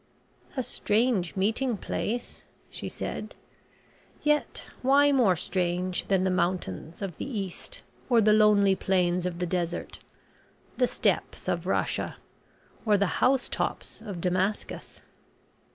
"A strange meeting place," she said. "Yet why more strange than the mountains of the East, or the lonely plains of the Desert, the steppes of Russia, or the house tops of Damascus?"